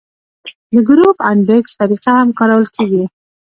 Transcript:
د ګروپ انډیکس طریقه هم کارول کیږي